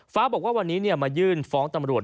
ฟ้าบอกว่าวันนี้มายื่นฟ้องตำรวจ